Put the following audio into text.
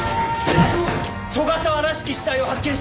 斗ヶ沢らしき死体を発見したと。